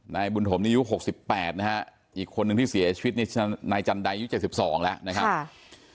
นายบุญถมนี้อายุ๖๘นะฮะอีกคนนึงที่เสียชีวิตนี่นายจันไดยุค๗๒แล้วนะครับ